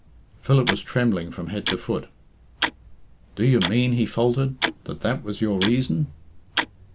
Philip was trembling from head to foot. "Do you mean," he faltered, "that that was your reason?"